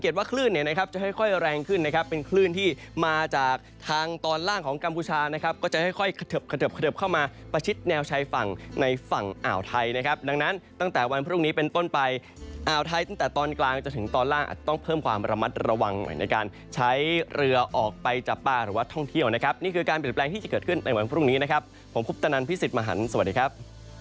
แต่ตอนกลางจะถึงตอนล่างอาจต้องเพิ่มความระมัดระวังใหม่ในการใช้เรือออกไปจากป้าหรือว่าท่องเที่ยวนะครับนี่คือการเปลี่ยนแปลงที่จะเกิดขึ้นในวันพรุ่งนี้นะครับผมคุบตะนันพิสิทธิ์มหันสวัสดีครับ